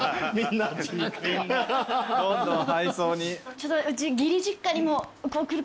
どんどん配送に。